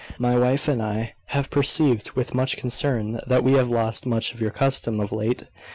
My wife and I have perceived with much concern that we have lost much of your custom of late.